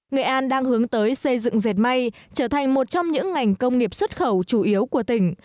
nghệ an đang hướng tới xây dựng dệt may trở thành một trong những ngành công nghiệp xuất khẩu chủ yếu của tỉnh